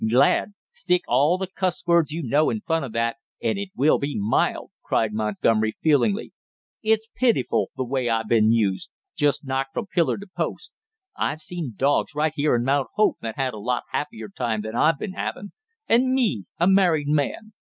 "Glad! Stick all the cuss words you know in front of that and it will be mild!" cried Montgomery feelingly. "It's pitiful the way I been used, just knocked from pillar to post; I've seen dogs right here in Mount Hope that had a lot happier time than I've been havin' and me a married man!